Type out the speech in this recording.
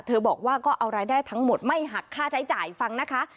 บอกว่าก็เอารายได้ทั้งหมดไม่หักค่าใช้จ่ายฟังนะคะ